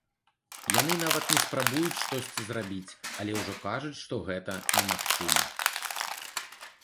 Яны нават не спрабуюць штосьці зрабіць, але ўжо кажуць, што гэта немагчыма.